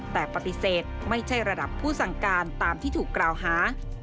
แต่ปฏิเสธไม่ใช่ระดับผู้สั่งการตามที่ถูกกล่าวหา